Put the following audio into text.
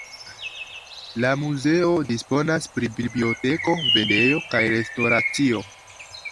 La muzeo disponas pri biblioteko, vendejo kaj restoracio.